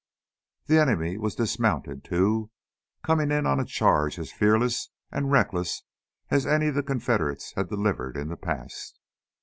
The enemy was dismounted, too, coming in on a charge as fearless and reckless as any the Confederates had delivered in the past.